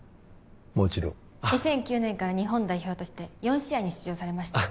もちろん２００９年から日本代表として４試合に出場されました